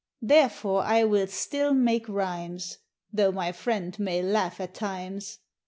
Therefore I will still make rhymes Though my friend may laugh at times.